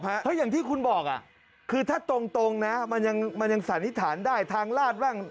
เพราะอย่างที่คุณบอกคือถ้าตรงนะมันยังสันนิษฐานได้ทางลาดบ้าง